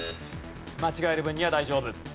間違える分には大丈夫。